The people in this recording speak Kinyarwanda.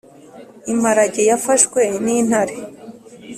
imparage yafashwe ni intare